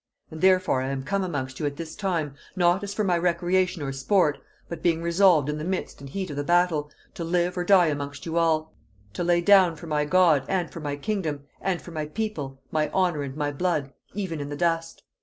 And therefore I am come amongst you at this time, not as for my recreation or sport, but being resolved in the midst and heat of the battle, to live or die amongst you all; to lay down for my God, and for my kingdom, and for my people, my honor and my blood, even in the dust.